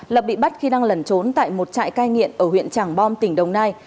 lập bị bắt khi đang lẩn trốn tại một trại cai nghiện ở huyện tràng bom tỉnh đồng nai